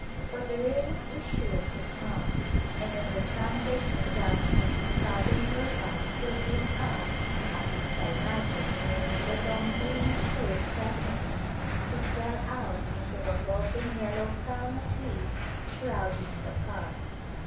For the rain is sure to come, and then the sun baking down on his sodden milpas will bring up, as if by magic, the long green shoot presently to swell out into a golden yellow crown of leaf shrouding the cob.